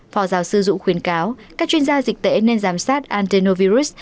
phó giáo sư dũ khuyến cáo các chuyên gia dịch tễ nên giám sát andinovirus